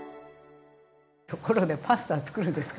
ところでパスタ作るんですか？